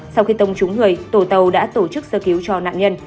sau khi tông trúng người tổ tàu đã tổ chức sơ cứu cho nạn nhân